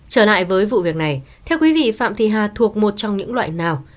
trở lại với vụ việc này theo quý vị phạm thị hà thuộc một trong những loại nào